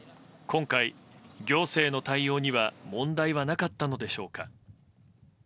今回、行政の対応には問題はなかったのでしょうか。